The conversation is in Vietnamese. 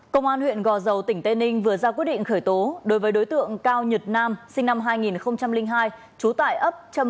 công an huyện gò dầu tỉnh tây ninh vừa ra quy định khởi tố đối với đối tượng cao nhật nam sinh năm hai nghìn hai